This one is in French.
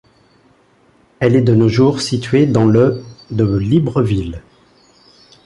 Elle est de nos jours située dans le de Libreville.